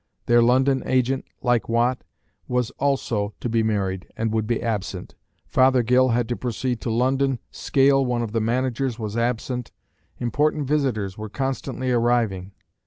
Their London agent, like Watt, was also to be married and would be absent. Fothergill had to proceed to London. Scale, one of the managers, was absent. Important visitors were constantly arriving.